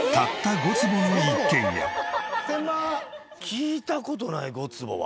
聞いた事ない５坪は。